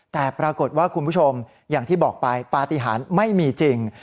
แต่ปรากฏว่าคุณผู้ชมอย่างที่บอกไปปฏิหารไม่มีจริง